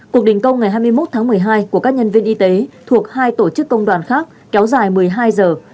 cuộc đình công ngày hai mươi một tháng một mươi hai của các nhân viên y tế thuộc hai tổ chức công đoàn khác kéo dài một mươi hai giờ